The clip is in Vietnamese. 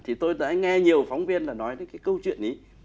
thì tôi đã nghe nhiều phóng viên là nói đến cái câu chuyện ý